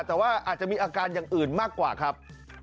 แต่ว่าอาจจะมีอาการอย่างอื่นมากกว่าครับ